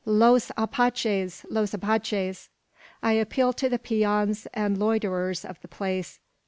"Los Apaches! los Apaches!" I appealed to the peons and loiterers of the plaza.